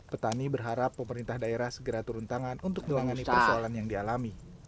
petani berharap pemerintah daerah segera turun tangan untuk menangani persoalan yang dialami